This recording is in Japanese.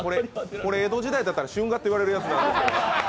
これ、江戸時代だったら春画って言われるやつ。